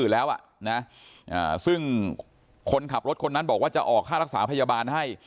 แล้วซึ่งคนขับรถคนนั้นบอกว่าจะออกค่ารักษาพยาบาลให้